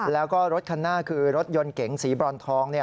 แล้วก็รถคันหน้าคือรถยนต์เก๋งสีบรอนทอง